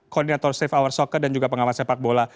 koordinator safe hour soccer dan juga pengawas sepak bola